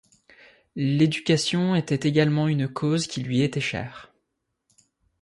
L’éducation était également une cause qui lui était chère.